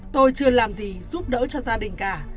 tôi chưa làm gì giúp đỡ cho gia đình cả